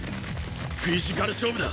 フィジカル勝負だ！